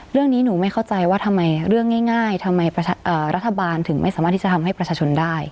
เรื่องนี้หนูไม่เข้าใจว่าทำไมเรื่องง่ายทำไมรัฐบาลถึงไม่สามารถที่จะทำให้ประชาชนได้